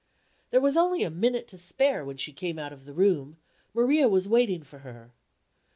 There was only a minute to spare when she came out of the room. Maria was waiting for her.